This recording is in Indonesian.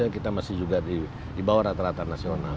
kita masih juga di bawah rata rata nasional